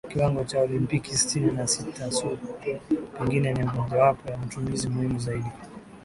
kiwango cha Olimpiki Sitini na sita Supu pengine ni mmojawapo ya matumizi muhimu zaidi